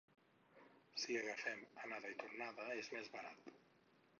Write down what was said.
Si agafem anada i tornada és més barat.